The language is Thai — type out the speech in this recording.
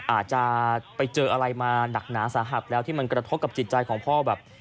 อาจจะไปเจออะไรมาหนักหนาสาหัสแล้วที่มันกระทบกับจิตใจของพ่อแบบ